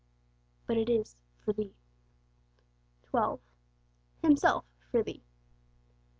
But it is 'for thee!' 12. Himself 'for thee.'